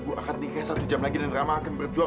bu akan nikah satu jam lagi dan rama akan berjuang